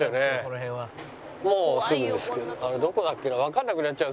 もうすぐですけど。